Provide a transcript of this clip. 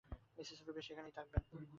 Mrs Rubin সেখানেই থাকবেন।